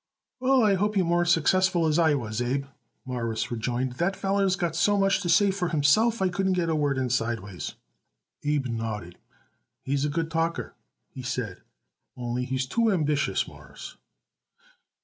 "Well, I hope you're more successful as I was, Abe," Morris rejoined. "That feller's got so much to say for himself I couldn't get a word in sideways." Abe nodded. "He's a good talker," he said, "only he's too ambitious, Mawruss."